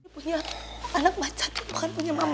punya anak baca tuh bukan punya mama